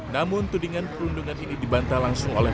namun tudingan perundungan ini dibantah langsung oleh